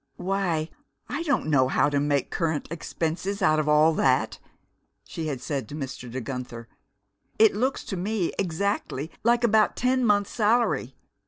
"Why, I don't know how to make Current Expenses out of all that!" she had said to Mr. De Guenther. "It looks to me exactly like about ten months' salary!